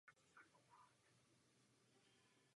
Voda je vhodná pro koupání.